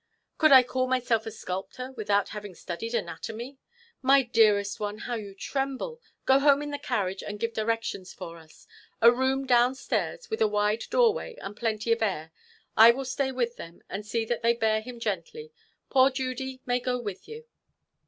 "Could I call myself a sculptor, without having studied anatomy? My dearest one, how you tremble! Go home in the carriage, and give directions for us. A room downstairs, with a wide doorway, and plenty of air. I will stay with them, and see that they bear him gently. Poor Judy may go with you."